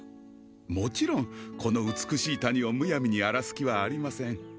もちろんこの美しい谷をむやみに荒らす気はありません